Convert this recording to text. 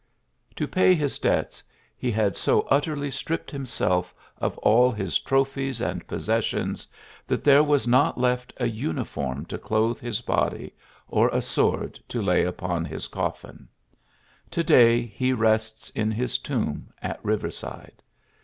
To pay his debts, he had so utterly stripped himself of all his trophies and possessions that there was not left a uniform to clothe his body or a sword to lay upon his cof&n. To day he rests in his tomb at Riverside.